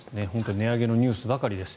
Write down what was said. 値上げのニュースばかりです。